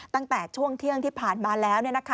ตั้งแต่ช่วงเที่ยงที่ผ่านมาแล้ว